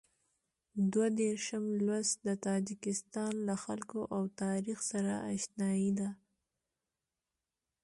دوه دېرشم لوست د تاجکستان له خلکو او تاریخ سره اشنايي ده.